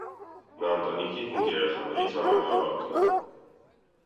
Նա ընտանիքի հինգ երեխաներից ամենաավագն է։